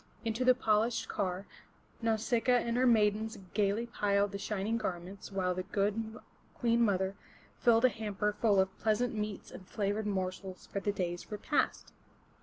Into the polished car, Nau sic'a a and her maidens gaily piled the shining garments, while the good Queen mother filled a hamper full of pleasant meats and flavored morsels for the day's repast.